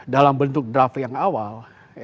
dalam bentuk draft yang awal